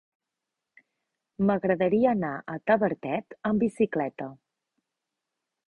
M'agradaria anar a Tavertet amb bicicleta.